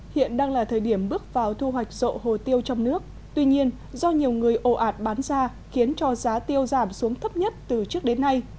hiện đang là thời điểm bước vào thu hoạch rộ hồ tiêu trong nước tuy nhiên do nhiều người ồ ạt bán ra khiến cho giá tiêu giảm xuống thấp nhất từ trước đến nay